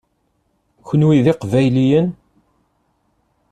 Kenwi d Iqbayliyen?